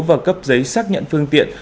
và cấp giấy xác nhận phương tiện